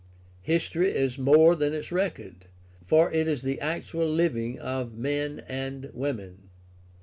History is more than its record, for it is the actual living of men and women.